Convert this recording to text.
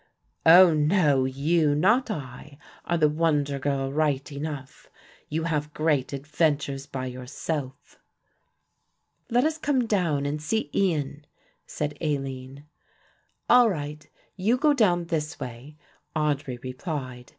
"Oh, no, you, not I, are the wonder girl right enough; you have great adventures by yourself." "Let us come down and see Ian," said Aline. "All right; you go down this way," Audry replied.